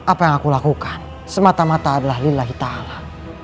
apa yang aku lakukan semata mata adalah lillahi ta'ala